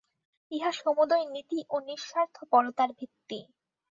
ইহা সমুদয় নীতি ও নিঃস্বার্থপরতার ভিত্তি।